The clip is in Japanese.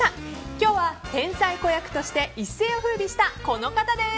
今日は天才子役として一世を風靡したこの方です。